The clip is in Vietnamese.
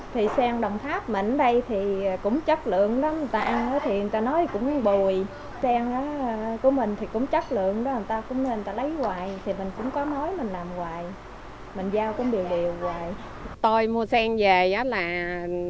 thì sen đồng tháp mình ở đây thì cũng chất lượng lắm